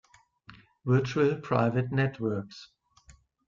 Virtual Private Networks.